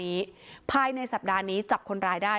ในสัปดาห์นี้ภายในสัปดาห์นี้จับคนรายได้